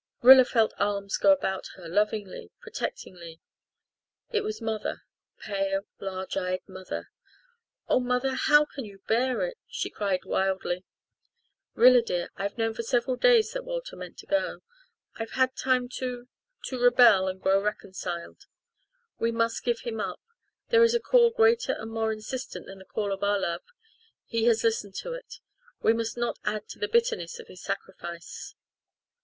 Rilla felt arms go about her lovingly, protectingly. It was mother pale, large eyed mother. "Oh, mother, how can you bear it?" she cried wildly. "Rilla, dear, I've known for several days that Walter meant to go. I've had time to to rebel and grow reconciled. We must give him up. There is a Call greater and more insistent than the call of our love he has listened to it. We must not add to the bitterness of his sacrifice."